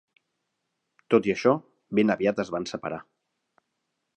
Tot i això, ben aviat es van separar.